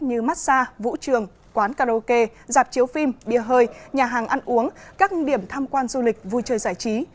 như massage vũ trường quán karaoke dạp chiếu phim bia hơi nhà hàng ăn uống các điểm tham quan du lịch vui chơi giải trí